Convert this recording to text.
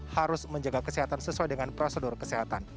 harus menjaga kesehatan sesuai dengan prosedur kesehatan